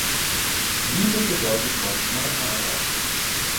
Liebe bedeutet manchmal Arbeit.